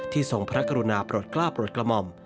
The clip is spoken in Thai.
ทรงพระกรุณาโปรดกล้าโปรดกระหม่อม